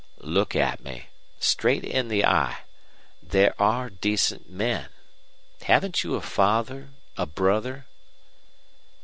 "Look at me straight in the eye. There are decent men. Haven't you a father a brother?"